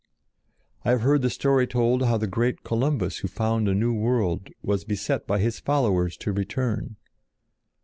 I have heard the story told how the great Columbus who found a new world was beset by his followers to return.